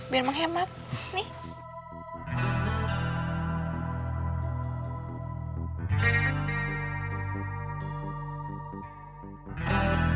biar menghemat nih